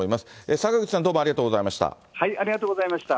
坂口さん、どうもありがとうございました。